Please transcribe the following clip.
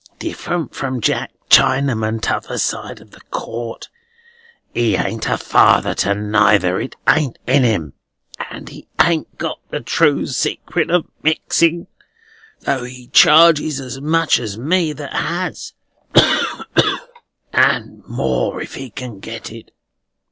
Different from Jack Chinaman t'other side the court. He ain't a father to neither. It ain't in him. And he ain't got the true secret of mixing, though he charges as much as me that has, and more if he can get it.